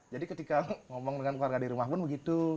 jadi ketika ngomong dengan warga di rumah pun begitu